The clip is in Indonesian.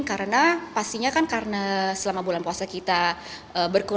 karena pastinya kan karena selama bulan puasa kita berkuasa